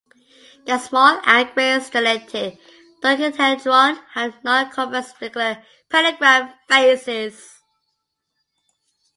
The small and great stellated dodecahedron have nonconvex regular pentagram faces.